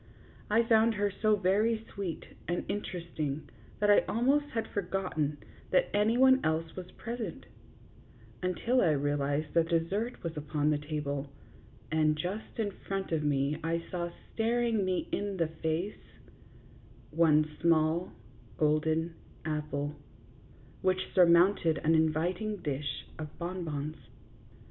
I found her so very sweet and inter esting that I almost had forgotten that any one else was present, until I realized that dessert was upon the table, and just in front of me I saw staring me in the face, one small golden apple, which surmounted an inviting dish of bon bons.